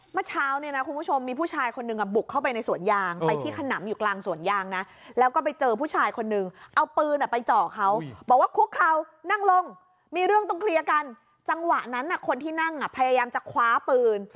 เมื่อเช้าเนี่ยนะคุณผู้ชมมีผู้ชายคนหนึ่งบุกเข้าไปในสวนยางไปที่ขนำอยู่กลางสวนยางนะแล้วก็ไปเจอผู้ชายคนนึงเอาปืนไปเจาะเขาบอกว่าคุกเขานั่งลงมีเรื่องต้องเคลียร์กันจังหวะนั้นคนที่นั่งพยายามจะคว้าปืน